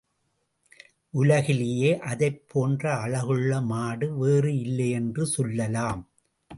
உலகிலேயே அதைப் போன்ற அழகுள்ள மாடு வேறு இல்லையென்று சொல்லலாம்.